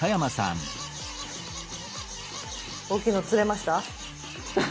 大きいの釣れました？